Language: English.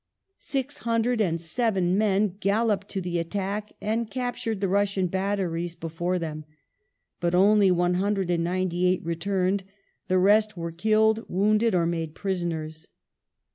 Six hundred and seven men galloped to the attack, and captured the Russian batteries before them ; but only 198 returned, the rest were killed, wounded, or made prisoners.